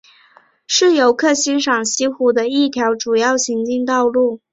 是游客欣赏西湖的一条主要行进道路。